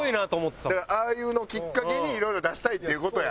だからああいうのをきっかけにいろいろ出したいっていう事や。